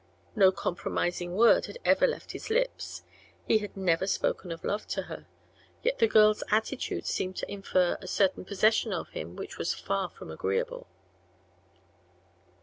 No compromising word had ever left his lips; he had never spoken of love to her. Yet the girl's attitude seemed to infer a certain possession of him which was far from agreeable.